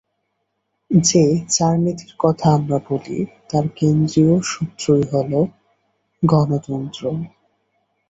যে চার নীতির কথা আমরা বলি, তার কেন্দ্রীয় সূত্রই ছিল গণতন্ত্র।